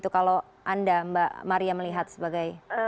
kalau anda mbak maria melihat sebagai